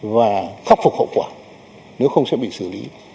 và khắc phục hậu quả nếu không sẽ bị xử lý